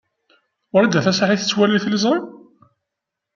Wrida Tasaḥlit tettwali tiliẓri?